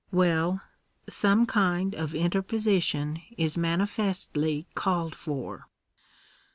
Well; some kind of interposition is manifestly called for.